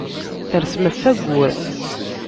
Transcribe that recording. Tersem ɣef wayyur.